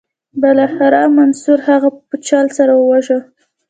بالاخره منصور هغه په چل سره وواژه.